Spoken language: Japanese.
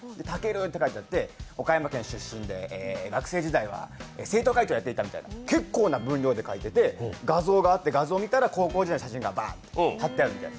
たけるって書いてあって、岡山県出身で学生時代は生徒会長をやっていたみたいな、結構な分量で書いていて画像があって画像を見たら高校時代の写真がバーンってある。